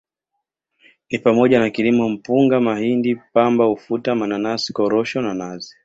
Ni pamoja na kilimo Mpunga Mahindi Pamba Ufuta Mananasi Korosho na Nazi